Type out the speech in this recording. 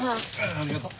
ありがとう。